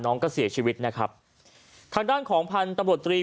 น้องก็เสียชีวิตนะครับทางด้านของพันธุ์ตำรวจตรี